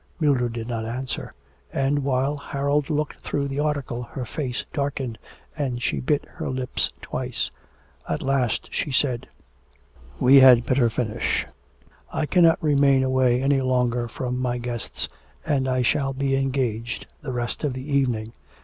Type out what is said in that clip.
Mildred did not answer, and, while Harold looked through the article, her face darkened, and she bit her lips twice. At last she said: 'We had better finish: I cannot remain away any longer from my guests, and I shall be engaged the rest of the evening.